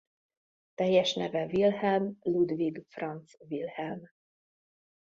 Teljes neve Wilhelm Ludwig Franz Wilhelm.